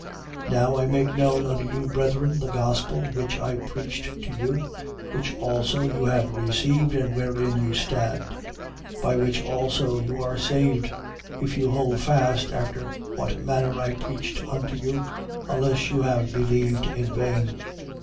15:1. Now I make known unto you, brethren, the gospel which I preached to you, which also you have received and wherein you stand. 15:2. By which also you are saved, if you hold fast after what manner I preached unto you, unless you have believed in vain.